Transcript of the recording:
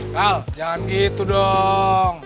kal jangan gitu dong